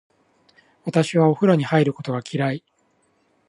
私はお風呂に入ることが嫌い。